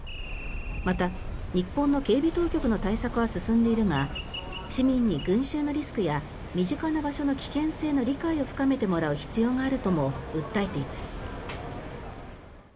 また、日本の警備当局の対策は進んでいるが市民に群衆のリスクや身近な場所の危険性の理解を深めてもらう必要があるとも訴えています。